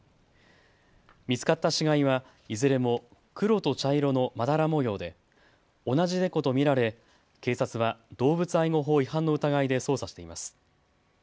見つかった死骸はいずれも黒と茶色のまだら模様で同じ猫と見られ警察は動物愛護法違反の疑いで捜査しています。